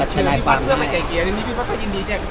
ทนายฟังให้